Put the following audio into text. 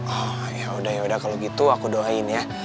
oh yaudah yaudah kalau gitu aku doain ya